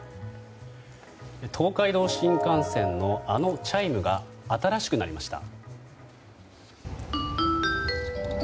東海道新幹線のあのチャイムが新しくなりました。